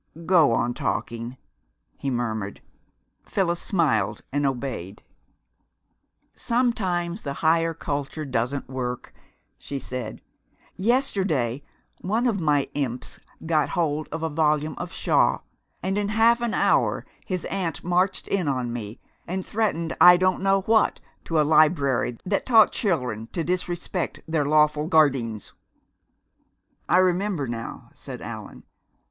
"Go on talking," he murmured. Phyllis smiled and obeyed. "Sometimes the Higher Culture doesn't work," she said. "Yesterday one of my imps got hold of a volume of Shaw, and in half an hour his aunt marched in on me and threatened I don't know what to a library that 'taught chilren to disrespect their lawful guardeens.'" "I remember now," said Allan.